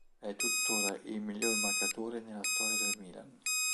È tuttora il miglior marcatore nella storia del Milan.